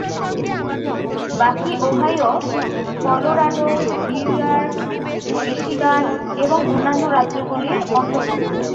বাকী Ohio, Colorado, New York, Michigan, এবং অন্যান্য রাজ্যগুলির অন্তর্ভুক্ত।